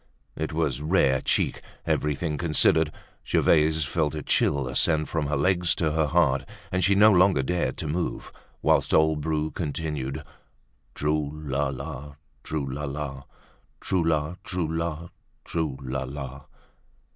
It was rare cheek, everything considered. Gervaise felt a chill ascend from her legs to her heart, and she no longer dared to move, whilst old Bru continued: "Trou la la, trou la la, Trou la, trou la, trou la la!"